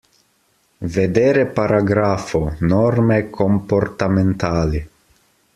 Vedere paragrafo: Norme comportamentali.